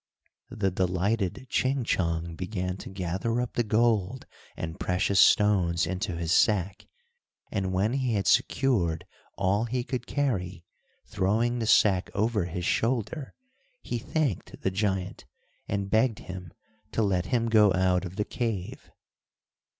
The delighted Ching Chong began to gather up the gold and precious stones into his sack, and when he had secured all he could carry, throwing the sack over his shoulder, he thanked the giant, and begged him to let him go out of the cave.